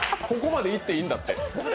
ここまで言っていいんだって。